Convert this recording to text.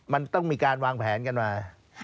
มันต้องมีการวางแผนกันมา